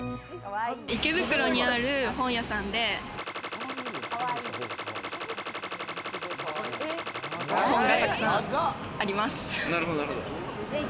池袋にある本屋さんで、な本が沢山あります。